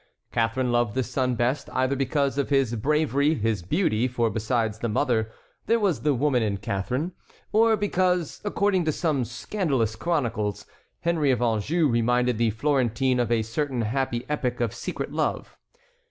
Catharine loved this son best either because of his bravery, his beauty,—for besides the mother, there was the woman in Catharine,—or because, according to some scandalous chronicles, Henry of Anjou reminded the Florentine of a certain happy epoch of secret love.